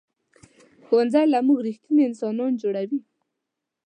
ښوونځی له موږ ریښتیني انسانان جوړوي